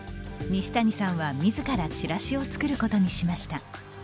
西谷さんは、みずからチラシを作ることにしました。